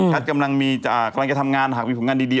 กำลังจะทำงานหากมีผลงานดี